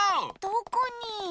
どこに？